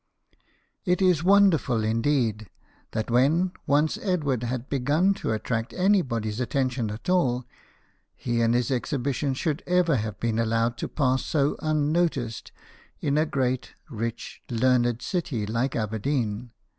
I: is wonderful indeed that when once Edward had begun to attract anybody's attention at all, he and his exhibition should ever have been allowed to pass so unnoticed in a great, rich, learned city like Aberdeen.